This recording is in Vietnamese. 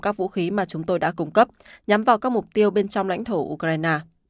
các vũ khí mà chúng tôi đã cung cấp nhắm vào các mục tiêu bên trong lãnh thổ ukraine